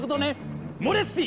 モレツティ！